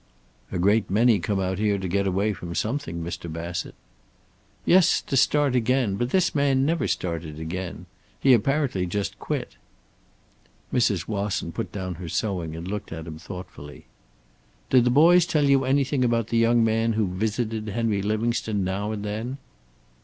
"A great many come out here to get away from something, Mr. Bassett." "Yes, to start again. But this man never started again. He apparently just quit." Mrs. Wasson put down her sewing and looked at him thoughtfully. "Did the boys tell you anything about the young man who visited Henry Livingstone now and then?"